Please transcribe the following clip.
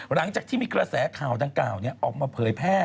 หลังจากที่มีกระแสข่าวดังกล่าวออกมาเผยแพร่